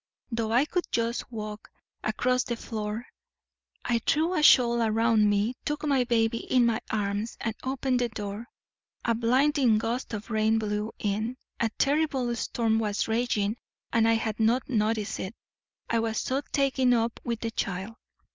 Though I could just walk across the floor, I threw a shawl around me, took my baby in my arms, and opened the door. A blinding gust of rain blew in. A terrible storm was raging and I had not noticed it, I was so taken up with the child.